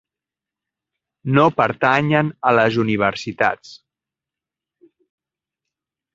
No pertanyen a les universitats.